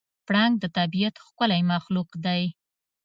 پړانګ د طبیعت ښکلی مخلوق دی.